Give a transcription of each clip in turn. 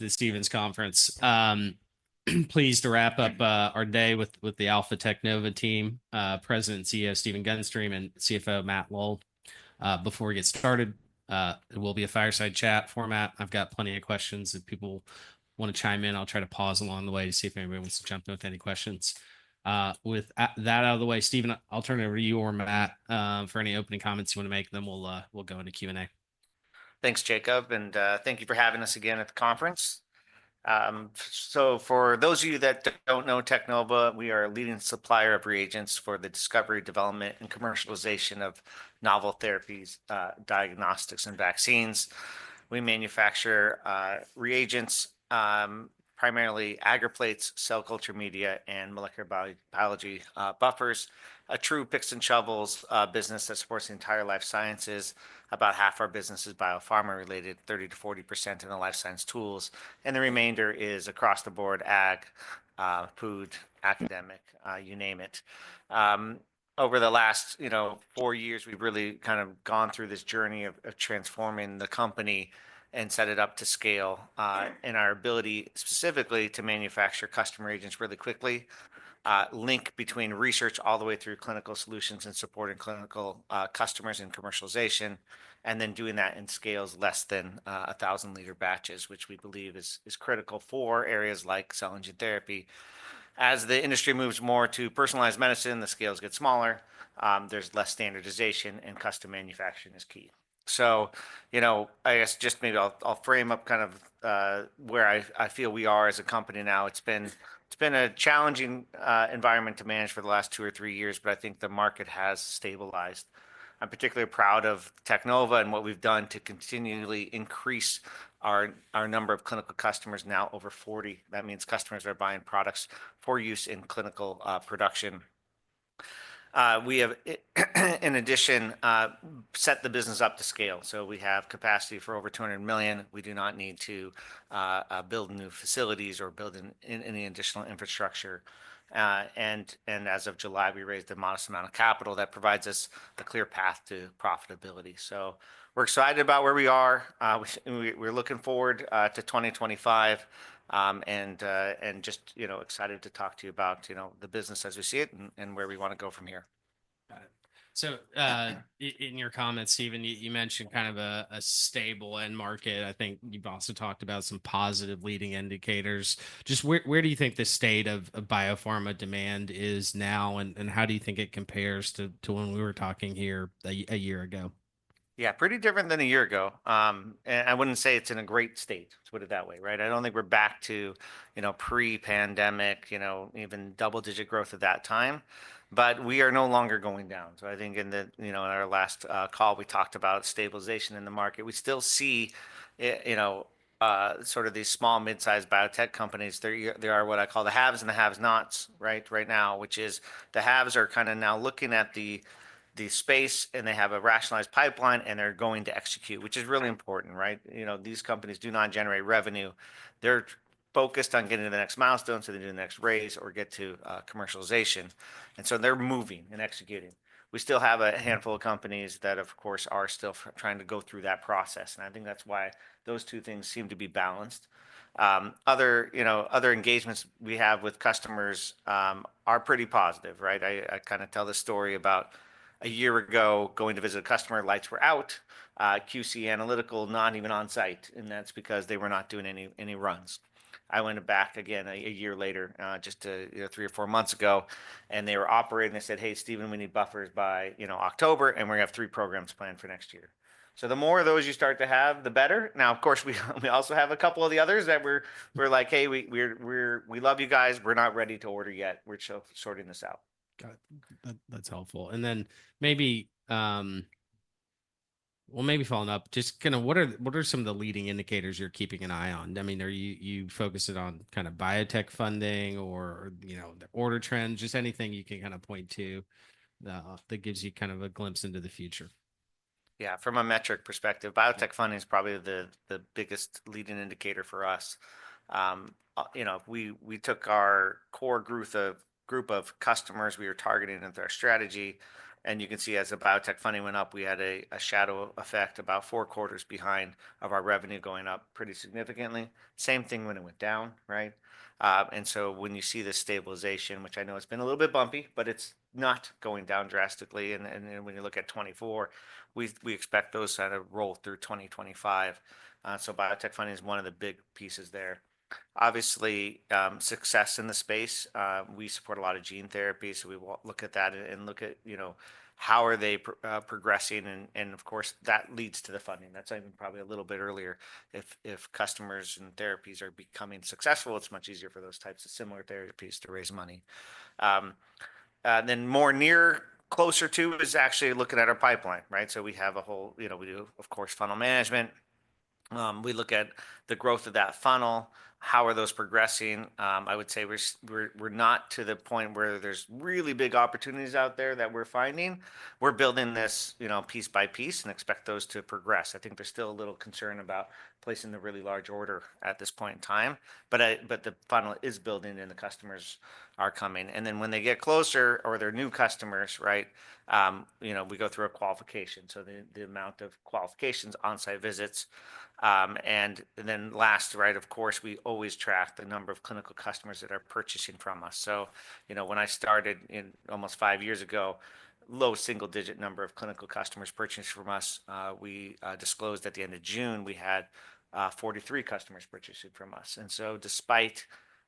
The Stephens Conference pleased to wrap up our day with the Alpha Teknova team, President and CEO Stephen Gunstream and CFO Matt Lowell. Before we get started, it will be a fireside chat format. I've got plenty of questions. If people want to chime in, I'll try to pause along the way to see if anybody wants to jump in with any questions. With that out of the way, Stephen, I'll turn it over to you or Matt for any opening comments you want to make, and then we'll go into Q&A. Thanks, Jacob, and thank you for having us again at the conference. So for those of you that don't know Teknova, we are a leading supplier of reagents for the discovery, development, and commercialization of novel therapies, diagnostics, and vaccines. We manufacture reagents, primarily agar plates, cell culture media, and molecular biology buffers. A true picks and shovels business that supports the entire life sciences. About half our business is biopharma related, 30%-40% in the life science tools, and the remainder is across the board ag, food, academic, you name it. Over the last, you know, four years, we've really kind of gone through this journey of transforming the company and set it up to scale, in our ability specifically to manufacture custom reagents really quickly, link between research all the way through clinical solutions and supporting clinical customers and commercialization, and then doing that in scales less than 1,000 liter batches, which we believe is critical for areas like cell and gene therapy. As the industry moves more to personalized medicine, the scales get smaller. There's less standardization, and custom manufacturing is key. So, you know, I guess just maybe I'll frame up kind of where I feel we are as a company now. It's been a challenging environment to manage for the last two or three years, but I think the market has stabilized. I'm particularly proud of Teknova and what we've done to continually increase our number of clinical customers now over 40. That means customers are buying products for use in clinical production. We have, in addition, set the business up to scale. So we have capacity for over 200 million. We do not need to build new facilities or build in any additional infrastructure. As of July, we raised a modest amount of capital that provides us a clear path to profitability. So we're excited about where we are. We're looking forward to 2025, and just, you know, excited to talk to you about, you know, the business as we see it and where we want to go from here. Got it. So, in your comments, Stephen, you mentioned kind of a stable end market. I think you've also talked about some positive leading indicators. Just where do you think the state of biopharma demand is now, and how do you think it compares to when we were talking here a year ago? Yeah, pretty different than a year ago, and I wouldn't say it's in a great state, to put it that way, right? I don't think we're back to, you know, pre-pandemic, you know, even double-digit growth at that time, but we are no longer going down. So I think in the, you know, in our last, call, we talked about stabilization in the market. We still see, you know, sort of these small, mid-sized biotech companies. There are what I call the haves and the have-nots, right, right now, which is the haves are kind of now looking at the space, and they have a rationalized pipeline, and they're going to execute, which is really important, right? You know, these companies do not generate revenue. They're focused on getting to the next milestone, so they do the next raise or get to commercialization, and so they're moving and executing. We still have a handful of companies that, of course, are still trying to go through that process. And I think that's why those two things seem to be balanced. Other, you know, other engagements we have with customers, are pretty positive, right? I kind of tell the story about a year ago going to visit a customer. Lights were out. QC analytical, not even on site. And that's because they were not doing any runs. I went back again a year later, just to, you know, three or four months ago, and they were operating. They said, "Hey, Stephen, we need buffers by, you know, October, and we're going to have three programs planned for next year." So the more of those you start to have, the better. Now, of course, we also have a couple of the others that we're like, "Hey, we love you guys. We're not ready to order yet. We're still sorting this out. Got it. That's helpful. And then maybe, well, maybe following up, just kind of what are some of the leading indicators you're keeping an eye on? I mean, are you focusing on kind of biotech funding or, you know, the order trends, just anything you can kind of point to that gives you kind of a glimpse into the future? Yeah, from a metric perspective, biotech funding is probably the biggest leading indicator for us. You know, we took our core group of customers we were targeting into our strategy. And you can see as the biotech funding went up, we had a shadow effect about four quarters behind of our revenue going up pretty significantly. Same thing when it went down, right? And so when you see the stabilization, which I know it's been a little bit bumpy, but it's not going down drastically. And when you look at 2024, we expect those to roll through 2025. So biotech funding is one of the big pieces there. Obviously, success in the space. We support a lot of gene therapy, so we will look at that and look at, you know, how are they progressing. And of course, that leads to the funding. That's even probably a little bit earlier. If customers and therapies are becoming successful, it's much easier for those types of similar therapies to raise money. Then more near closer to is actually looking at our pipeline, right? So we have a whole, you know, we do, of course, funnel management. We look at the growth of that funnel, how those are progressing. I would say we're not to the point where there's really big opportunities out there that we're finding. We're building this, you know, piece by piece and expect those to progress. I think there's still a little concern about placing the really large order at this point in time, but the funnel is building and the customers are coming. And then when they get closer or they're new customers, right, you know, we go through a qualification. So, the amount of qualifications, on-site visits, and then last, right, of course, we always track the number of clinical customers that are purchasing from us. So, you know, when I started almost five years ago, low single-digit number of clinical customers purchasing from us. We disclosed at the end of June, we had 43 customers purchasing from us. And so despite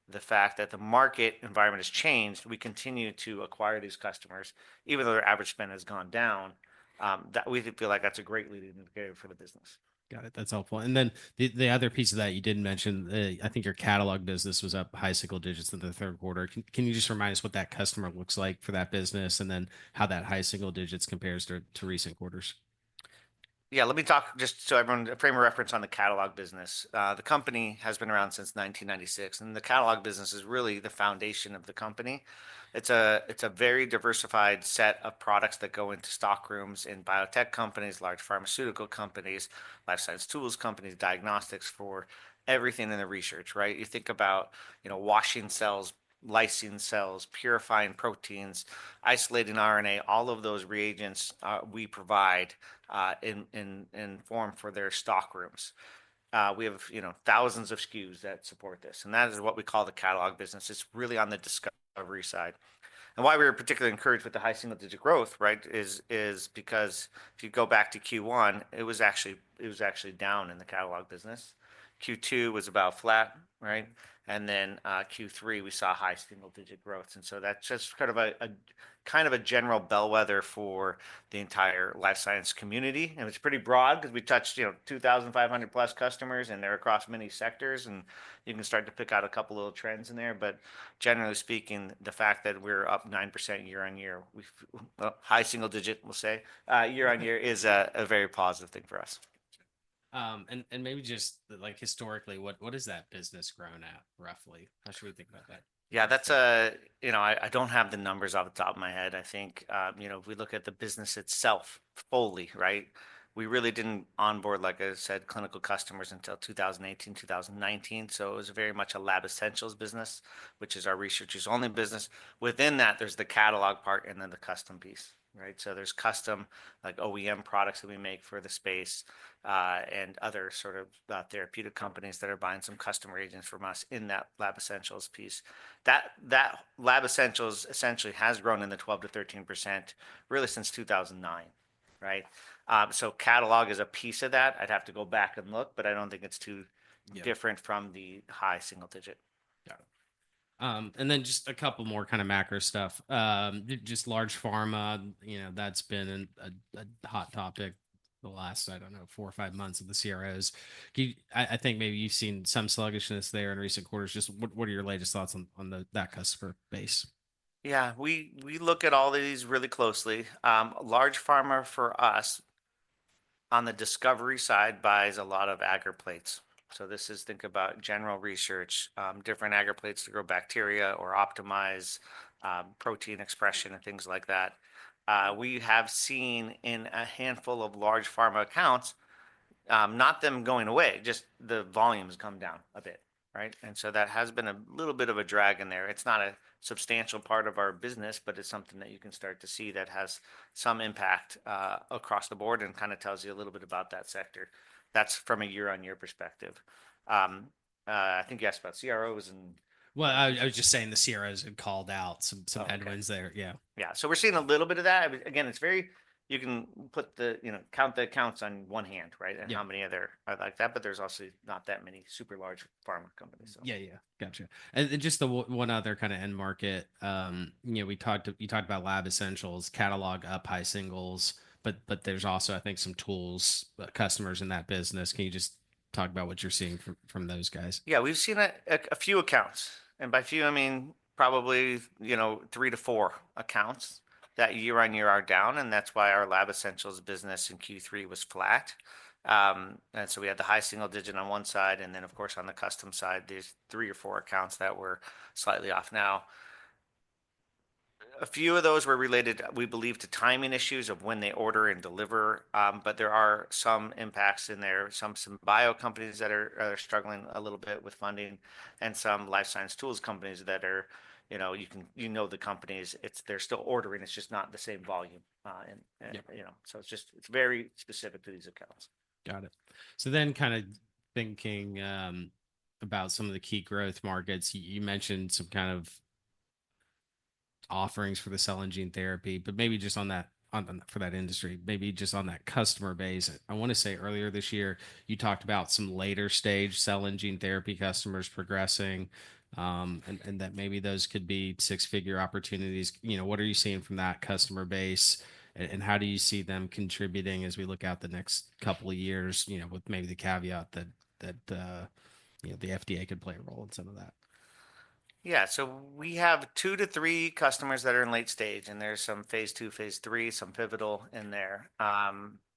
the fact that the market environment has changed, we continue to acquire these customers, even though their average spend has gone down, that we feel like that's a great leading indicator for the business. Got it. That's helpful. And then the other piece of that you didn't mention, I think your catalog business was up high single digits in the third quarter. Can you just remind us what that customer looks like for that business and then how that high single digits compares to recent quarters? Yeah, let me talk just so everyone has a frame of reference on the catalog business. The company has been around since 1996, and the catalog business is really the foundation of the company. It's a very diversified set of products that go into stockrooms in biotech companies, large pharmaceutical companies, life science tools companies, diagnostics for everything in the research, right? You think about, you know, washing cells, lysing cells, purifying proteins, isolating RNA, all of those reagents we provide in a form for their stockrooms. We have, you know, thousands of SKUs that support this, and that is what we call the catalog business. It's really on the discovery side. And why we were particularly encouraged with the high single digit growth, right, is because if you go back to Q1, it was actually down in the catalog business. Q2 was about flat, right? And then Q3 we saw high single digit growth, and so that's just kind of a general bellwether for the entire life science community. And it's pretty broad because we touched, you know, 2,500+ customers, and they're across many sectors, and you can start to pick out a couple little trends in there. But generally speaking, the fact that we're up 9% year on year, we high single digit, we'll say, year on year is a very positive thing for us. And maybe just like historically, what has that business grown at roughly? How should we think about that? Yeah, that's a, you know, I don't have the numbers off the top of my head. I think, you know, if we look at the business itself fully, right, we really didn't onboard, like I said, clinical customers until 2018, 2019. So it was very much a Lab Essentials business, which is our RUO business. Within that, there's the catalog part and then the custom piece, right? So there's custom, like OEM products that we make for the space, and other sort of, therapeutic companies that are buying some custom reagents from us in that Lab Essentials piece. That Lab Essentials essentially has grown in the 12%-13% really since 2009, right? So catalog is a piece of that. I'd have to go back and look, but I don't think it's too different from the high single digit. Got it. And then just a couple more kind of macro stuff. Just large pharma, you know, that's been a hot topic the last, I don't know, four or five months of the CROs. I think maybe you've seen some sluggishness there in recent quarters. Just what are your latest thoughts on that customer base? Yeah, we look at all these really closely. Large pharma for us on the discovery side buys a lot of agar plates. So this is think about general research, different agar plates to grow bacteria or optimize protein expression and things like that. We have seen in a handful of large pharma accounts, not them going away, just the volumes come down a bit, right? And so that has been a little bit of a drag in there. It's not a substantial part of our business, but it's something that you can start to see that has some impact across the board and kind of tells you a little bit about that sector. That's from a year-on-year perspective. I think you asked about CROs and. I was just saying the CROs have called out some headwinds there. Yeah. Yeah. So we're seeing a little bit of that. Again, it's very few. You can, you know, count the accounts on one hand, right? And how many others are like that, but there's also not that many super large pharma companies. Yeah, yeah. Gotcha. And just the one other kind of end market, you know, we talked, you talked about Lab Essentials, catalog up, high singles, but there's also, I think, some tools customers in that business. Can you just talk about what you're seeing from those guys? Yeah, we've seen a few accounts. By few, I mean probably, you know, three to four accounts that year on year are down. That's why our Lab Essentials business in Q3 was flat, and so we had the high single digit on one side. Then, of course, on the custom side, there's three or four accounts that were slightly off. Now, a few of those were related, we believe, to timing issues of when they order and deliver, but there are some impacts in there. Some bio companies that are struggling a little bit with funding and some life science tools companies that are, you know, you know the companies. They're still ordering. It's just not the same volume, and, you know, so it's just very specific to these accounts. Got it. So then kind of thinking about some of the key growth markets, you mentioned some kind of offerings for the cell and gene therapy, but maybe just on that for that industry, maybe just on that customer base. I want to say earlier this year, you talked about some later stage cell and gene therapy customers progressing, and that maybe those could be six-figure opportunities. You know, what are you seeing from that customer base? And how do you see them contributing as we look out the next couple of years, you know, with maybe the caveat that, you know, the FDA could play a role in some of that? Yeah. So we have two to three customers that are in late stage, and there's some phase two, phase three, some pivotal in there.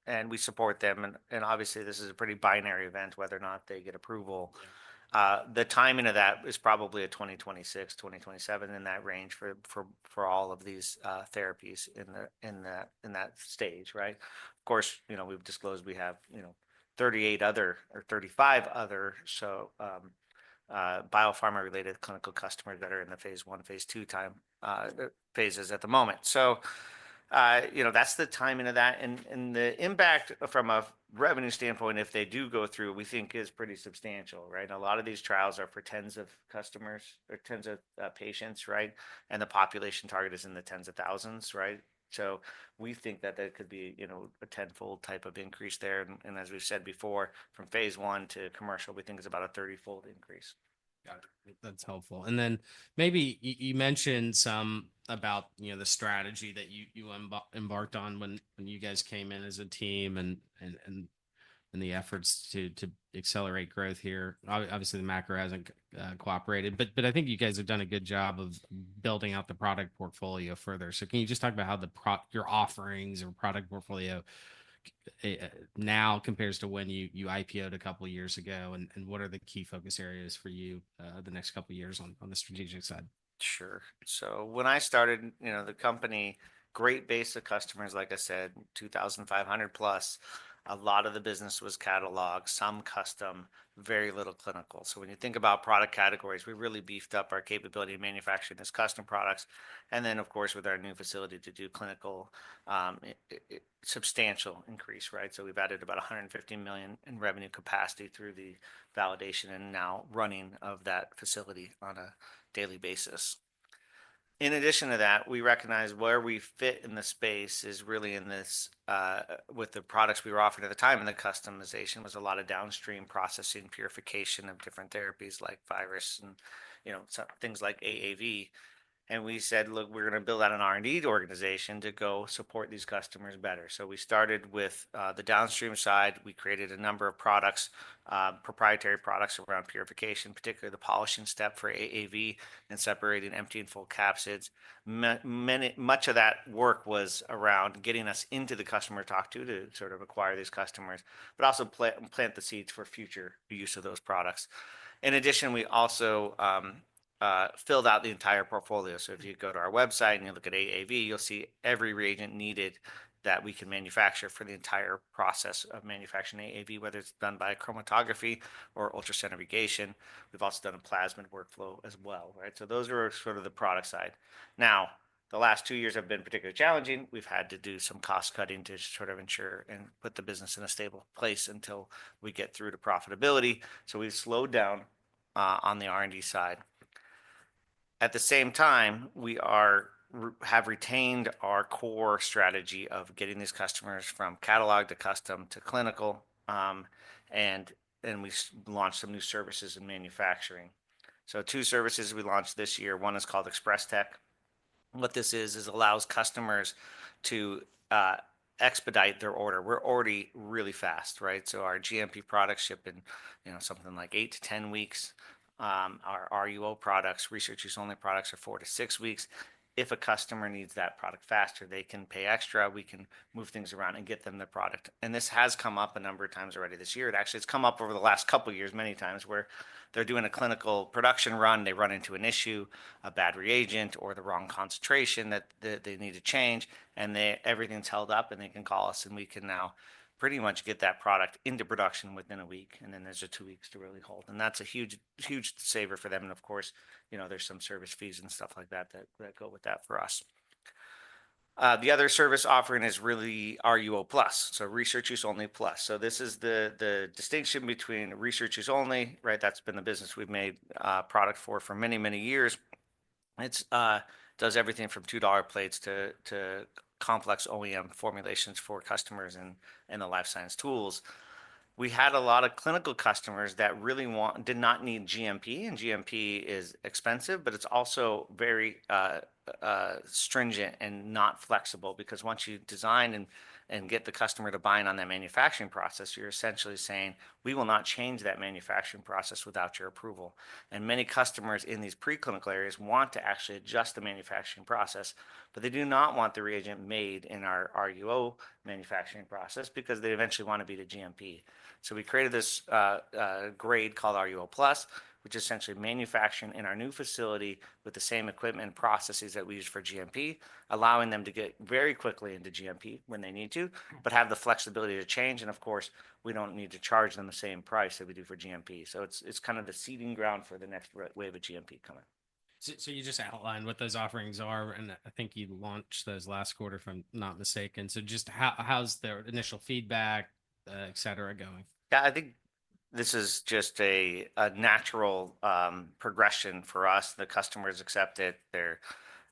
And we support them. And obviously, this is a pretty binary event, whether or not they get approval. The timing of that is probably a 2026, 2027 in that range for all of these therapies in that stage, right? Of course, you know, we've disclosed we have, you know, 38 other or 35 other, so, biopharma-related clinical customers that are in the phase one, phase two time phases at the moment. So, you know, that's the timing of that. And the impact from a revenue standpoint, if they do go through, we think is pretty substantial, right? And a lot of these trials are for tens of customers or tens of patients, right? And the population target is in the tens of thousands, right? So we think that that could be, you know, a tenfold type of increase there. And as we've said before, from phase one to commercial, we think it's about a 30-fold increase. Got it. That's helpful. And then maybe you mentioned some about, you know, the strategy that you embarked on when you guys came in as a team and the efforts to accelerate growth here. Obviously, the macro hasn't cooperated, but I think you guys have done a good job of building out the product portfolio further. So can you just talk about how your offerings or product portfolio now compares to when you IPO'd a couple of years ago? And what are the key focus areas for you the next couple of years on the strategic side? Sure. So when I started, you know, the company, great base of customers, like I said, 2,500+. A lot of the business was catalog, some custom, very little clinical. So when you think about product categories, we really beefed up our capability of manufacturing these custom products. And then, of course, with our new facility to do clinical, substantial increase, right? So we've added about $150 million in revenue capacity through the validation and now running of that facility on a daily basis. In addition to that, we recognize where we fit in the space is really in this, with the products we were offered at the time, and the customization was a lot of downstream processing, purification of different therapies like virus and, you know, things like AAV. And we said, look, we're going to build out an R&D organization to go support these customers better. So we started with the downstream side. We created a number of proprietary products around purification, particularly the polishing step for AAV and separating empty and full capsids. Much of that work was around getting us into the customer to talk to, to sort of acquire these customers, but also plant the seeds for future use of those products. In addition, we also filled out the entire portfolio. So if you go to our website and you look at AAV, you'll see every reagent needed that we can manufacture for the entire process of manufacturing AAV, whether it's done by chromatography or ultracentrifugation. We've also done a plasmid workflow as well, right? So those are sort of the product side. Now, the last two years have been particularly challenging. We've had to do some cost cutting to sort of ensure and put the business in a stable place until we get through to profitability. So we've slowed down on the R&D side. At the same time, we have retained our core strategy of getting these customers from catalog to custom to clinical, and we launched some new services in manufacturing. So two services we launched this year. One is called Express-Tek. What this is allows customers to expedite their order. We're already really fast, right? So our GMP products ship in, you know, something like 8-10 weeks. Our RUO products, research-use-only products are 4-6 weeks. If a customer needs that product faster, they can pay extra. We can move things around and get them the product. And this has come up a number of times already this year. It actually has come up over the last couple of years many times where they're doing a clinical production run, they run into an issue, a bad reagent or the wrong concentration that they need to change, and then everything's held up and they can call us and we can now pretty much get that product into production within a week and then there's a two weeks to really hold. And that's a huge, huge saver for them. And of course, you know, there's some service fees and stuff like that that go with that for us. The other service offering is really RUO+, so research-use-only plus. So this is the distinction between research-use-only, right? That's been the business we've made product for many, many years. It's does everything from $2 plates to complex OEM formulations for customers and the life science tools. We had a lot of clinical customers that really wanted, did not need GMP, and GMP is expensive, but it's also very stringent and not flexible because once you design and get the customer to buy in on that manufacturing process, you're essentially saying, we will not change that manufacturing process without your approval. And many customers in these preclinical areas want to actually adjust the manufacturing process, but they do not want the reagent made in our RUO manufacturing process because they eventually want to get to GMP. So we created this grade called RUO+, which is essentially manufacturing in our new facility with the same equipment and processes that we use for GMP, allowing them to get very quickly into GMP when they need to, but have the flexibility to change. Of course, we don't need to charge them the same price that we do for GMP, so it's kind of the seeding ground for the next wave of GMP coming. So you just outlined what those offerings are, and I think you launched those last quarter, if I'm not mistaken. So just how's their initial feedback, et cetera, going? Yeah, I think this is just a natural progression for us. The customers accept it. They're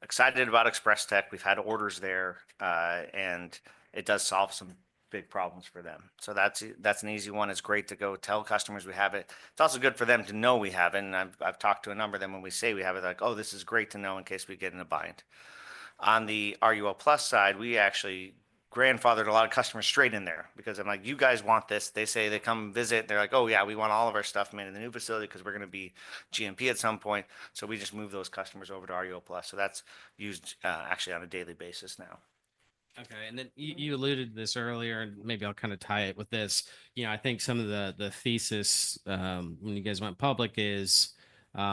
excited about Express-Tek. We've had orders there, and it does solve some big problems for them. So that's an easy one. It's great to go tell customers we have it. It's also good for them to know we have it. And I've talked to a number of them when we say we have it, like, oh, this is great to know in case we get in a bind. On the RUO+ side, we actually grandfathered a lot of customers straight in there because I'm like, you guys want this. They say they come visit. They're like, oh yeah, we want all of our stuff made in the new facility because we're going to be GMP at some point. So we just moved those customers over to RUO+. That's used, actually on a daily basis now. Okay. And then you alluded to this earlier, and maybe I'll kind of tie it with this. You know, I think some of the thesis, when you guys went public is,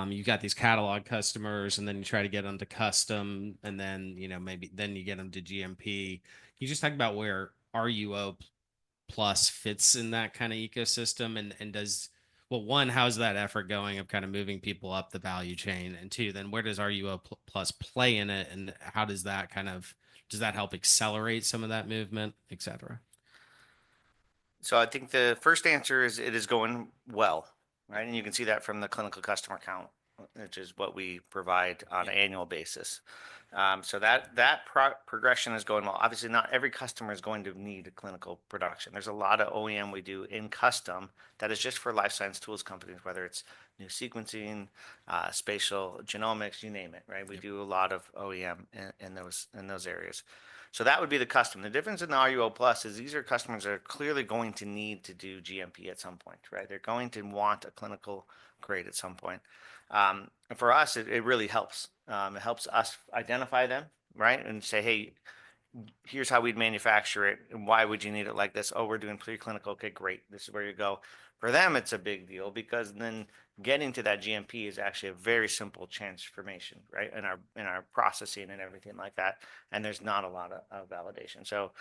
you've got these catalog customers, and then you try to get them to custom, and then, you know, maybe then you get them to GMP. Can you just talk about where RUO+fits in that kind of ecosystem? And does, well, one, how's that effort going of kind of moving people up the value chain? And two, then where does RUO+ play in it? And how does that kind of, does that help accelerate some of that movement, et cetera? So I think the first answer is it is going well, right? And you can see that from the clinical customer count, which is what we provide on an annual basis. So that progression is going well. Obviously, not every customer is going to need a clinical production. There's a lot of OEM we do in custom that is just for life science tools companies, whether it's new sequencing, spatial genomics, you name it, right? We do a lot of OEM in those areas. So that would be the custom. The difference in the RUO+ is these are customers that are clearly going to need to do GMP at some point, right? They're going to want a clinical grade at some point. And for us, it really helps. It helps us identify them, right? And say, hey, here's how we'd manufacture it. Why would you need it like this? Oh, we're doing preclinical. Okay, great. This is where you go. For them, it's a big deal because then getting to that GMP is actually a very simple transformation, right? In our processing and everything like that. There's not a lot of validation. So,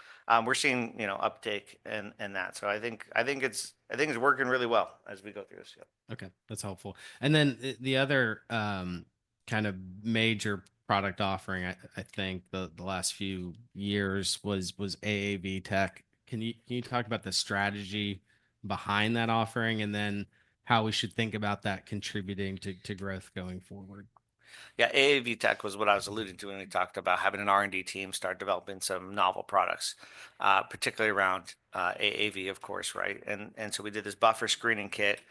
we're seeing, you know, uptake and that. So I think it's working really well as we go through this field. Okay. That's helpful. And then the other, kind of major product offering, I think the last few years was AAV-Tek. Can you talk about the strategy behind that offering and then how we should think about that contributing to growth going forward? Yeah. AAV-Tek was what I was alluding to when we talked about having an R&D team start developing some novel products, particularly around AAV, of course, right? And so we did this Buffer Screening Kit,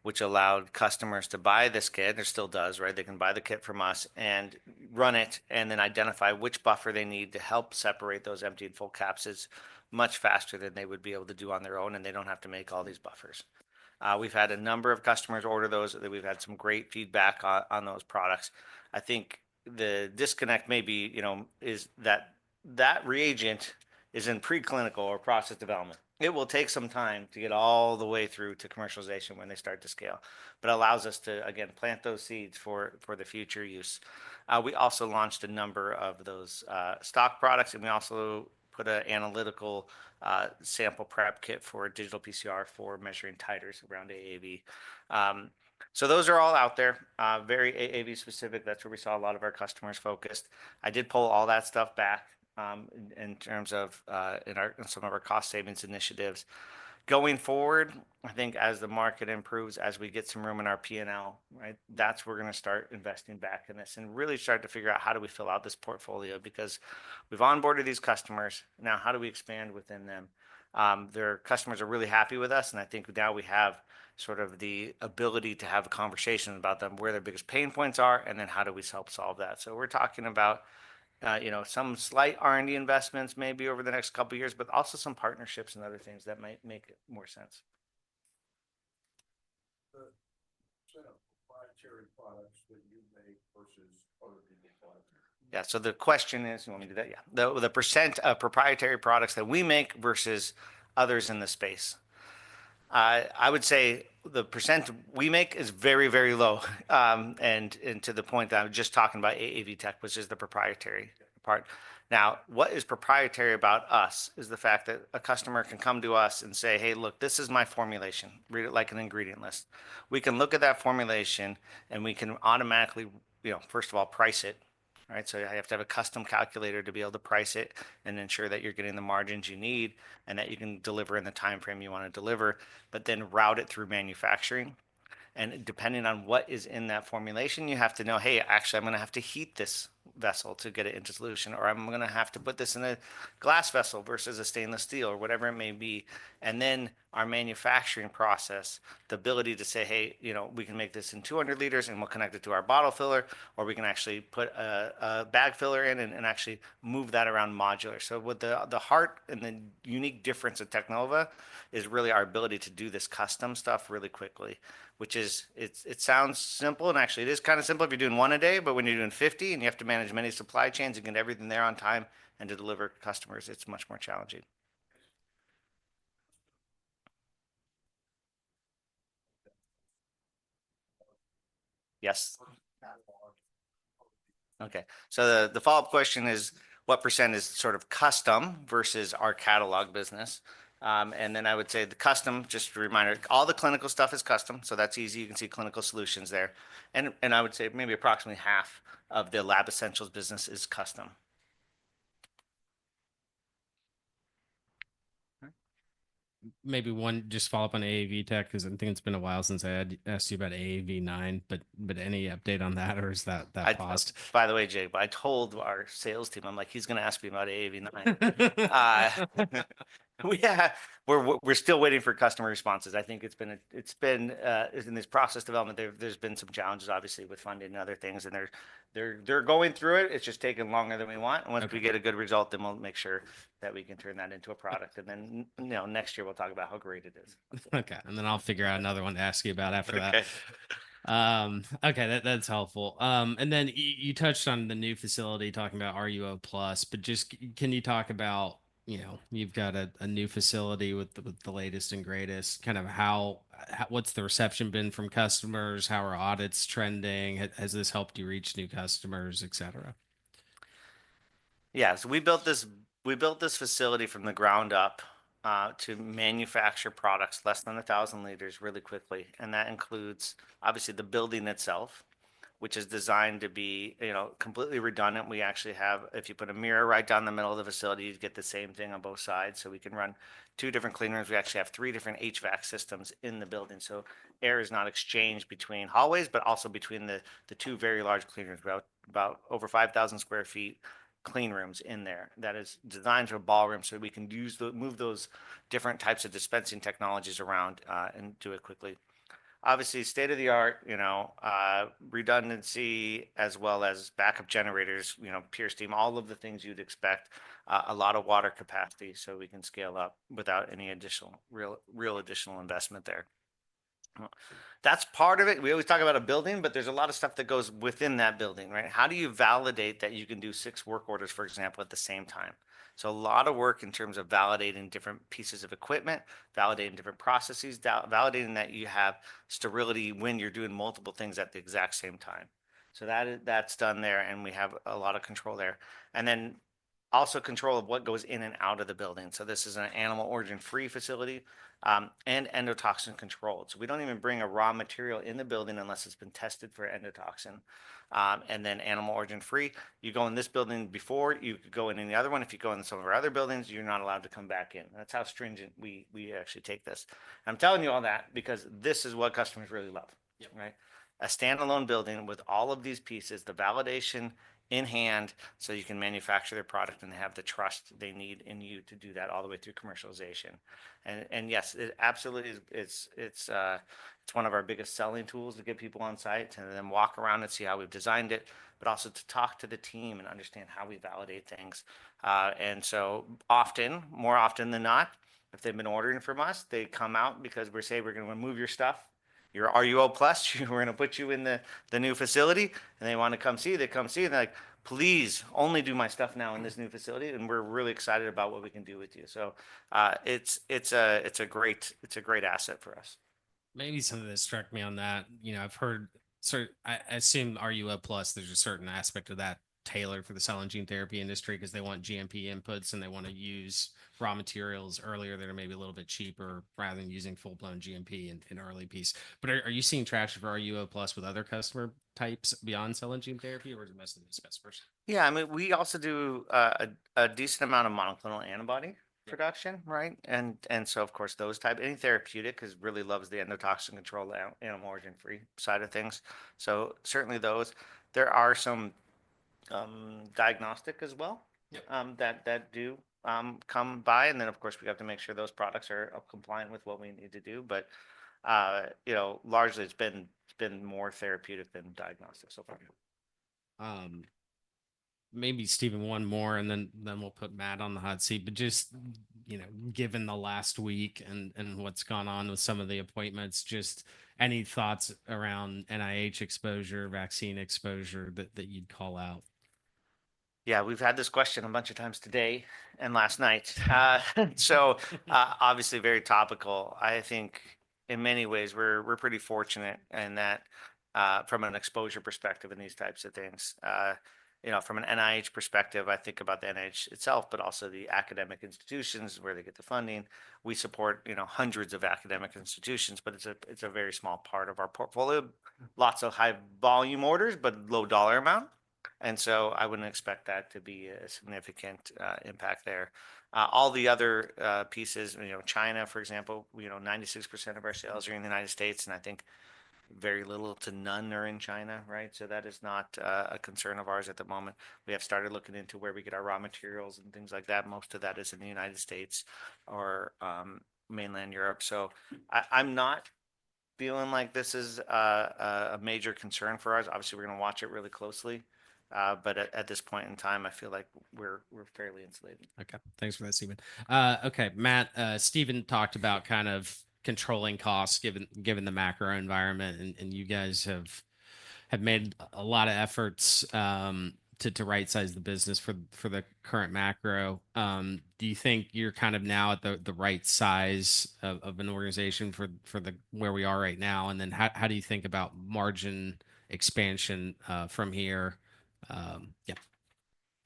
which allowed customers to buy this kit. There still does, right? They can buy the kit from us and run it and then identify which buffer they need to help separate those empty and full capsids much faster than they would be able to do on their own. And they don't have to make all these buffers. We've had a number of customers order those. We've had some great feedback on those products. I think the disconnect may be, you know, is that that reagent is in preclinical or process development. It will take some time to get all the way through to commercialization when they start to scale, but it allows us to, again, plant those seeds for the future use. We also launched a number of those stock products, and we also put an analytical sample prep kit for digital PCR for measuring titers around AAV. So those are all out there, very AAV specific. That's where we saw a lot of our customers focused. I did pull all that stuff back, in terms of, in some of our cost savings initiatives. Going forward, I think as the market improves, as we get some room in our P&L, right, that's where we're going to start investing back in this and really start to figure out how do we fill out this portfolio because we've onboarded these customers. Now, how do we expand within them? Their customers are really happy with us. And I think now we have sort of the ability to have a conversation about them, where their biggest pain points are, and then how do we help solve that? So we're talking about, you know, some slight R&D investments maybe over the next couple of years, but also some partnerships and other things that might make more sense. So proprietary products that you make versus other people's products? Yeah. So the question is, you want me to do that? Yeah. The percent of proprietary products that we make versus others in the space. I would say the percent we make is very, very low, and to the point that I was just talking about AAV-Tek, which is the proprietary part. Now, what is proprietary about us is the fact that a customer can come to us and say, hey, look, this is my formulation. Read it like an ingredient list. We can look at that formulation and we can automatically, you know, first of all, price it, right? So I have to have a custom calculator to be able to price it and ensure that you're getting the margins you need and that you can deliver in the timeframe you want to deliver, but then route it through manufacturing. Depending on what is in that formulation, you have to know, hey, actually, I'm going to have to heat this vessel to get it into solution, or I'm going to have to put this in a glass vessel versus a stainless steel or whatever it may be. Then our manufacturing process, the ability to say, hey, you know, we can make this in 200 liters and we'll connect it to our bottle filler, or we can actually put a bag filler in and actually move that around modular. So what at the heart and the unique difference of Teknova is really our ability to do this custom stuff really quickly, which is it sounds simple, and actually it is kind of simple if you're doing one a day, but when you're doing 50 and you have to manage many supply chains and get everything there on time and to deliver to customers, it's much more challenging. Yes. Okay. So the follow-up question is, what percent is sort of custom versus our catalog business? And then I would say the custom, just a reminder, all the clinical stuff is custom, so that's easy. You can see Clinical Solutions there. And I would say maybe approximately half of the lab essentials business is custom. Maybe one just follow-up on AAV-Tek because I think it's been a while since I had asked you about AAV9, but any update on that or is that past? By the way, Jay, I told our sales team, I'm like, he's going to ask me about AAV9. We're still waiting for customer responses. I think it's been—it's been in this process development. There's been some challenges, obviously, with funding and other things, and they're going through it. It's just taken longer than we want. Once we get a good result, then we'll make sure that we can turn that into a product. Then, you know, next year, we'll talk about how great it is. Okay, and then I'll figure out another one to ask you about after that. Okay. Okay. That's helpful. And then you touched on the new facility talking about RUO+, but just can you talk about, you know, you've got a new facility with the latest and greatest, kind of how what's the reception been from customers? How are audits trending? Has this helped you reach new customers, et cetera? Yeah. So we built this facility from the ground up, to manufacture products less than 1,000 liters really quickly. And that includes, obviously, the building itself, which is designed to be, you know, completely redundant. We actually have, if you put a mirror right down the middle of the facility, you'd get the same thing on both sides. So we can run two different clean rooms. We actually have three different HVAC systems in the building. So air is not exchanged between hallways, but also between the two very large clean rooms, about over 5,000 sq ft clean rooms in there that is designed to a ballroom so we can move those different types of dispensing technologies around and do it quickly. Obviously, state of the art, you know, redundancy as well as backup generators, you know, pure steam, all of the things you'd expect, a lot of water capacity so we can scale up without any additional real additional investment there. That's part of it. We always talk about a building, but there's a lot of stuff that goes within that building, right? How do you validate that you can do six work orders, for example, at the same time? So a lot of work in terms of validating different pieces of equipment, validating different processes, validating that you have sterility when you're doing multiple things at the exact same time. So that is done there, and we have a lot of control there, and then also control of what goes in and out of the building. So this is an animal origin-free facility, and endotoxin controlled. So we don't even bring a raw material in the building unless it's been tested for endotoxin, and then animal origin-free. You go in this building before, you could go in any other one. If you go in some of our other buildings, you're not allowed to come back in. That's how stringent we actually take this. I'm telling you all that because this is what customers really love, right? A standalone building with all of these pieces, the validation in hand so you can manufacture their product and have the trust they need in you to do that all the way through commercialization. And yes, it absolutely is. It's one of our biggest selling tools to get people on site and then walk around and see how we've designed it, but also to talk to the team and understand how we validate things. And so often, more often than not, if they've been ordering from us, they come out because we say we're going to remove your stuff, your RUO+. We're going to put you in the new facility, and they want to come see, they come see, and they're like, please only do my stuff now in this new facility, and we're really excited about what we can do with you. So, it's a great asset for us. Maybe some of this struck me on that. You know, I've heard sort of I assume RUO+, there's a certain aspect of that tailored for the cell and gene therapy industry because they want GMP inputs and they want to use raw materials earlier that are maybe a little bit cheaper rather than using full-blown GMP in an early piece. But are you seeing traction for RUO+ with other customer types beyond cell and gene therapy, or is it mostly dispensed first? Yeah. I mean, we also do a decent amount of monoclonal antibody production, right? And so, of course, those types, any therapeutic because really loves the endotoxin control animal origin-free side of things. So certainly those, there are some diagnostic as well that do come by. And then, of course, we have to make sure those products are compliant with what we need to do. But, you know, largely, it's been more therapeutic than diagnostic so far. Maybe Stephen one more, and then we'll put Matt on the hot seat. But just, you know, given the last week and what's gone on with some of the appointments, just any thoughts around NIH exposure, vaccine exposure that you'd call out? Yeah, we've had this question a bunch of times today and last night. So, obviously, very topical. I think in many ways, we're pretty fortunate in that, from an exposure perspective and these types of things. You know, from an NIH perspective, I think about the NIH itself, but also the academic institutions where they get the funding. We support, you know, hundreds of academic institutions, but it's a very small part of our portfolio. Lots of high-volume orders, but low dollar amount. And so I wouldn't expect that to be a significant impact there. All the other pieces, you know, China, for example, you know, 96% of our sales are in the United States, and I think very little to none are in China, right? So that is not a concern of ours at the moment. We have started looking into where we get our raw materials and things like that. Most of that is in the United States or mainland Europe. So I'm not feeling like this is a major concern for us. Obviously, we're going to watch it really closely. But at this point in time, I feel like we're fairly insulated. Okay. Thanks for that, Stephen. Okay. Matt, Stephen talked about kind of controlling costs given the macro environment, and you guys have made a lot of efforts to right-size the business for the current macro. Do you think you're kind of now at the right size of an organization for where we are right now? And then how do you think about margin expansion from here? Yeah.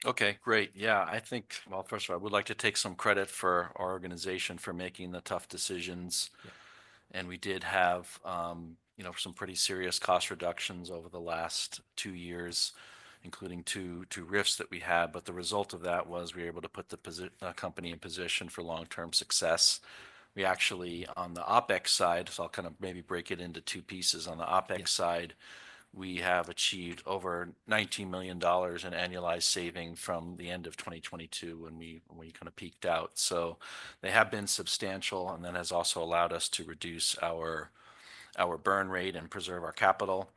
Okay. Great. Yeah. I think, well, first of all, I would like to take some credit for our organization for making the tough decisions. And we did have, you know, some pretty serious cost reductions over the last two years, including two RIFs that we had. But the result of that was we were able to put the company in position for long-term success. We actually, on the OPEX side, so I'll kind of maybe break it into two pieces. On the OPEX side, we have achieved over $19 million in annualized savings from the end of 2022 when we kind of peaked out. So they have been substantial and that has also allowed us to reduce our burn rate and preserve our capital.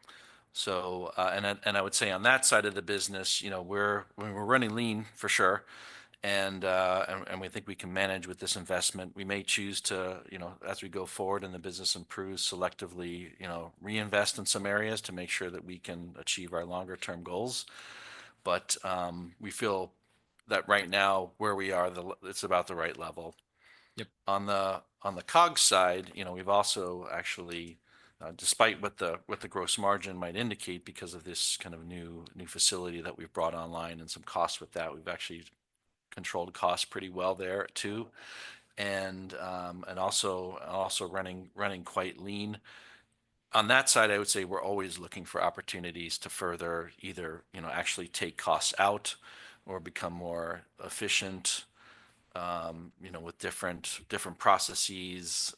So, and I would say on that side of the business, you know, we're running lean for sure. We think we can manage with this investment. We may choose to, you know, as we go forward in the business and grow selectively, you know, reinvest in some areas to make sure that we can achieve our longer-term goals. But we feel that right now where we are, it's about the right level. Yep. On the COGS side, you know, we've also actually, despite what the gross margin might indicate because of this kind of new facility that we've brought online and some costs with that, we've actually controlled costs pretty well there too. And also running quite lean on that side. I would say we're always looking for opportunities to further either, you know, actually take costs out or become more efficient, you know, with different processes.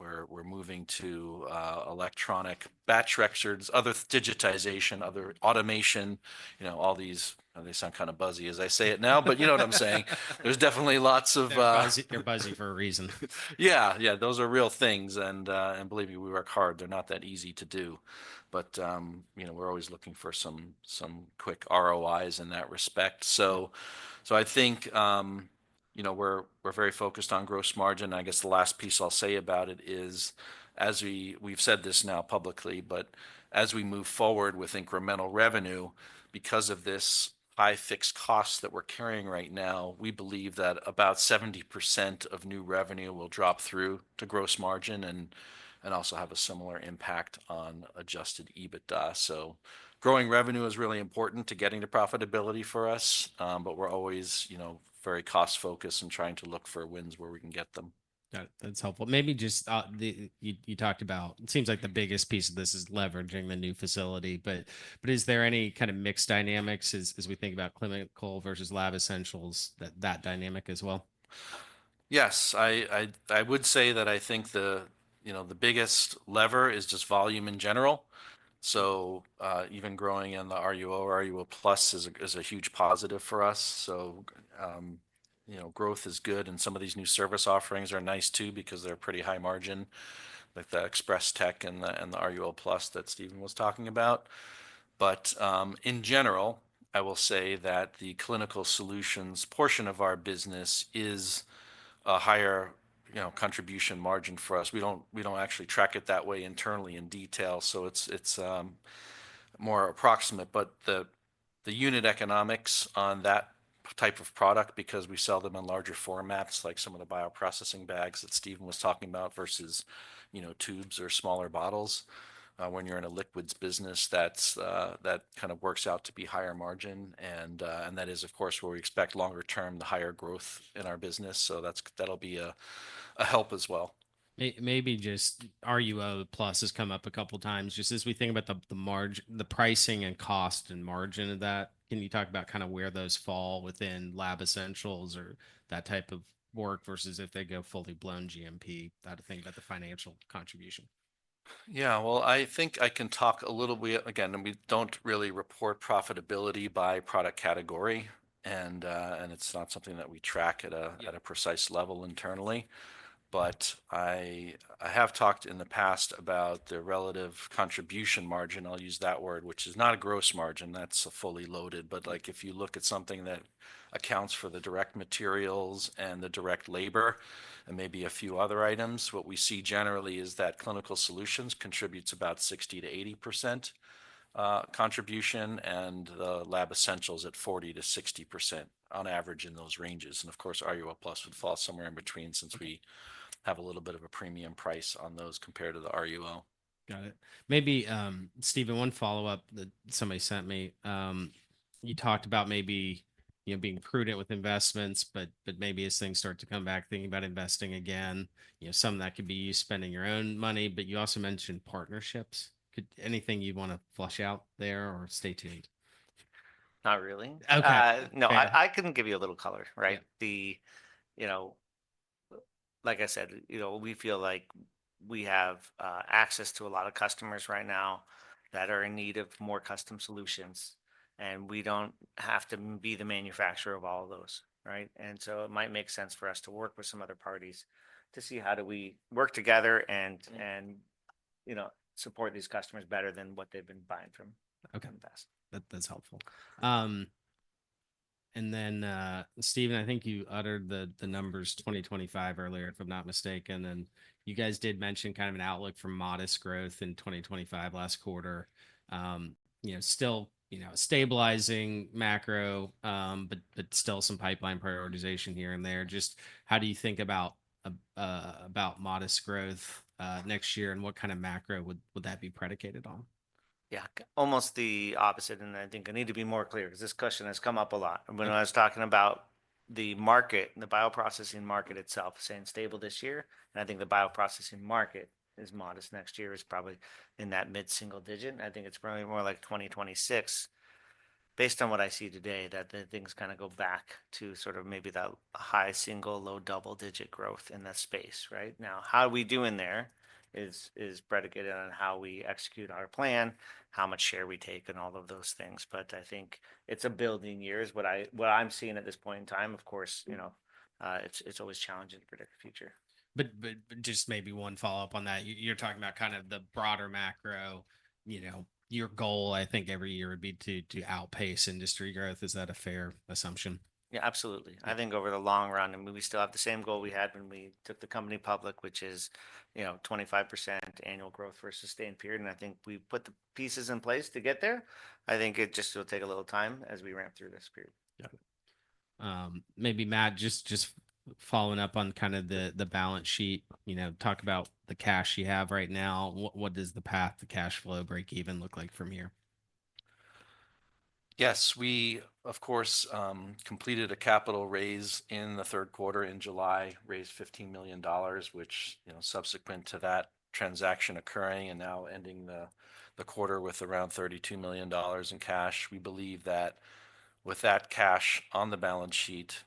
We're moving to electronic batch records, other digitization, other automation, you know, all these, they sound kind of buzzy as I say it now, but you know what I'm saying. There's definitely lots of. They're buzzy for a reason. Yeah. Yeah. Those are real things, and believe me, we work hard. They're not that easy to do, but you know, we're always looking for some quick ROIs in that respect. So I think, you know, we're very focused on gross margin. I guess the last piece I'll say about it is, as we've said this now publicly, but as we move forward with incremental revenue, because of this high fixed cost that we're carrying right now, we believe that about 70% of new revenue will drop through to gross margin and also have a similar impact on adjusted EBITDA, so growing revenue is really important to getting to profitability for us, but we're always, you know, very cost-focused and trying to look for wins where we can get them. That's helpful. Maybe just the you talked about, it seems like the biggest piece of this is leveraging the new facility, but is there any kind of mixed dynamics as we think about Clinical Solutions versus Lab Essentials, that dynamic as well? Yes. I would say that I think the, you know, the biggest lever is just volume in general. So even growing in the RUO, RUO+ is a huge positive for us. So, you know, growth is good. And some of these new service offerings are nice too because they're pretty high margin, like the Express-Tek and the RUO+ that Stephen was talking about. But in general, I will say that the clinical solutions portion of our business is a higher, you know, contribution margin for us. We don't actually track it that way internally in detail. So it's more approximate, but the unit economics on that type of product because we sell them in larger formats, like some of the bioprocessing bags that Stephen was talking about versus, you know, tubes or smaller bottles. When you're in a liquids business, that's that kind of works out to be higher margin, that is, of course, where we expect longer term, the higher growth in our business, that'll be a help as well. Maybe just RUO+ has come up a couple of times. Just as we think about the margin, the pricing and cost and margin of that, can you talk about kind of where those fall within Lab Essentials or that type of work versus if they go fully blown GMP, that thing about the financial contribution? Yeah. Well, I think I can talk a little bit again, and we don't really report profitability by product category. And it's not something that we track at a precise level internally. But I have talked in the past about the relative contribution margin, I'll use that word, which is not a gross margin. That's a fully loaded. But like if you look at something that accounts for the direct materials and the direct labor and maybe a few other items, what we see generally is that Clinical Solutions contribute to about 60%-80% contribution and the Lab Essentials at 40%-60% on average in those ranges. And of course, RUO+ would fall somewhere in between since we have a little bit of a premium price on those compared to the RUO. Got it. Maybe, Stephen, one follow-up that somebody sent me. You talked about maybe, you know, being prudent with investments, but maybe as things start to come back, thinking about investing again, you know, some of that could be you spending your own money, but you also mentioned partnerships. Could anything you want to flesh out there or stay tuned? Not really. Okay. No, I can give you a little color, right? You know, like I said, you know, we feel like we have access to a lot of customers right now that are in need of more custom solutions, and we don't have to be the manufacturer of all of those, right? And so it might make sense for us to work with some other parties to see how do we work together and, and you know, support these customers better than what they've been buying from in the past. Okay. That's helpful. And then, Stephen, I think you uttered the numbers 2025 earlier, if I'm not mistaken, and you guys did mention kind of an outlook for modest growth in 2025 last quarter. You know, still, you know, stabilizing macro, but still some pipeline prioritization here and there. Just how do you think about modest growth next year and what kind of macro would that be predicated on? Yeah, almost the opposite. And I think I need to be more clear because this question has come up a lot. When I was talking about the market and the bioprocessing market itself, saying stable this year, and I think the bioprocessing market is modest next year is probably in that mid single digit. I think it's probably more like 2026, based on what I see today, that the things kind of go back to sort of maybe that high single, low double digit growth in that space, right? Now, how are we doing there is predicated on how we execute our plan, how much share we take and all of those things. But I think it's a building year is what I'm seeing at this point in time. Of course, you know, it's always challenging to predict the future. But just maybe one follow-up on that. You're talking about kind of the broader macro, you know, your goal, I think every year would be to outpace industry growth. Is that a fair assumption? Yeah, absolutely. I think over the long run, I mean, we still have the same goal we had when we took the company public, which is, you know, 25% annual growth for a sustained period. And I think we put the pieces in place to get there. I think it just will take a little time as we ramp through this period. Yeah. Maybe Matt, just following up on kind of the balance sheet, you know, talk about the cash you have right now. What does the path to cash flow break even look like from here? Yes. We, of course, completed a capital raise in the third quarter in July, raised $15 million, which, you know, subsequent to that transaction occurring and now ending the quarter with around $32 million in cash. We believe that with that cash on the balance sheet,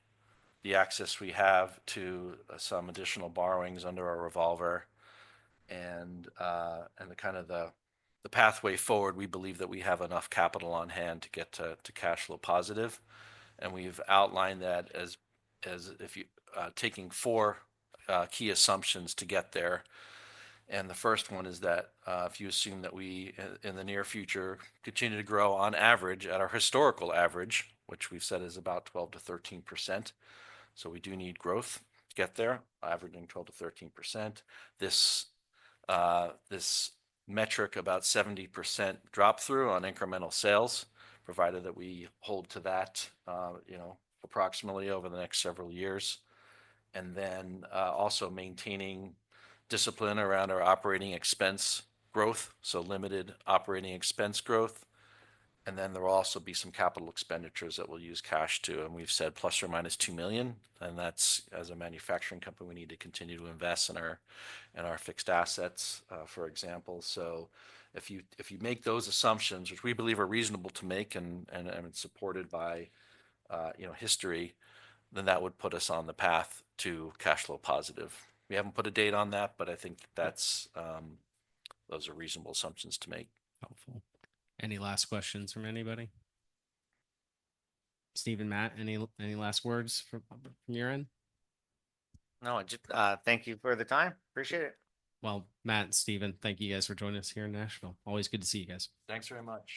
the access we have to some additional borrowings under our revolver and the kind of the pathway forward, we believe that we have enough capital on hand to get to cash flow positive. And we've outlined that as if you taking four key assumptions to get there. And the first one is that if you assume that we in the near future continue to grow on average at our historical average, which we've said is about 12%-13%. So we do need growth to get there, averaging 12%-13%. This metric, about 70% drop through on incremental sales, provided that we hold to that, you know, approximately over the next several years, and then also maintaining discipline around our operating expense growth, so limited operating expense growth, and then there will also be some capital expenditures that we'll use cash to, and we've said ±$2 million, and that's as a manufacturing company, we need to continue to invest in our fixed assets, for example, so if you make those assumptions, which we believe are reasonable to make and supported by, you know, history, then that would put us on the path to cash flow positive. We haven't put a date on that, but I think those are reasonable assumptions to make. Helpful. Any last questions from anybody? Stephen, Matt, any last words from your end? No, I just thank you for the time. Appreciate it. Matt and Stephen, thank you guys for joining us here in Nashville. Always good to see you guys. Thanks very much.